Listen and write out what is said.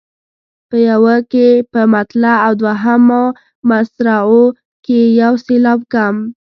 په یوه کې په مطلع او دوهمو مصرعو کې یو سېلاب کم.